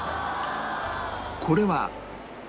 これは